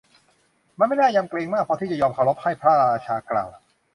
มันไม่น่ายำเกรงมากพอที่จะยอมเคารพให้ พระราชากล่าว